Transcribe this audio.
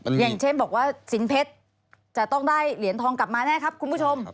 อย่างเช่นบอกว่าสินเพชรจะต้องได้เหรียญทองกลับมาแน่ครับคุณผู้ชม